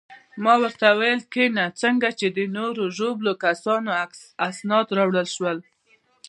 ما ورته وویل: کښېنه، څنګه چې د نورو ژوبلو کسانو اسناد راوړل شول.